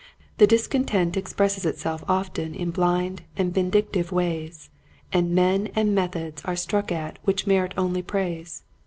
The discontent expresses itself often in blind and vindictive ways, and men and methods are struck at which merit only praise.